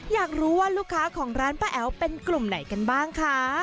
อยากรู้ว่าลูกค้าของร้านป้าแอ๋วเป็นกลุ่มไหนกันบ้างคะ